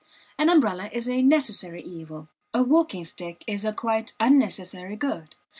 An umbrella is a necessary evil. A walking stick is a quite unnecessary good.